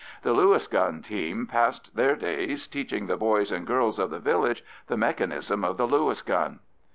The Lewis gun team passed their days teaching the boys and girls of the village the mechanism of the Lewis gun.